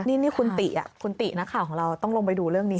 นี่คุณติคุณตินักข่าวของเราต้องลงไปดูเรื่องนี้